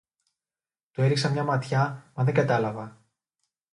Του έριξα μια ματιά, μα δεν κατάλαβα